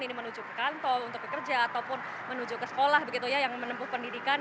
ini menuju ke kantor untuk bekerja ataupun menuju ke sekolah begitu ya yang menempuh pendidikan